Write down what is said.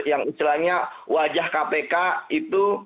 yang istilahnya wajah kpk itu